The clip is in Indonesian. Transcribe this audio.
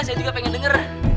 saya juga pengen denger